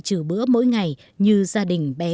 trừ bữa mỗi ngày như gia đình bé